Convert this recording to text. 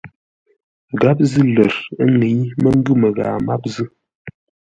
Gháp zʉ́ lər, ə́ ŋə́i mə́ ngʉ̂ məghaa máp zʉ́.